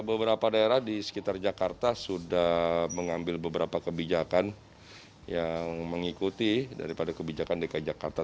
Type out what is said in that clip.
beberapa daerah di sekitar jakarta sudah mengambil beberapa kebijakan yang mengikuti daripada kebijakan dki jakarta